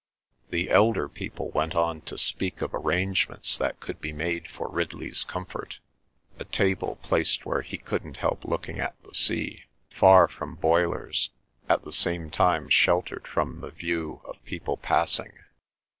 The elder people went on to speak of arrangements that could be made for Ridley's comfort—a table placed where he couldn't help looking at the sea, far from boilers, at the same time sheltered from the view of people passing.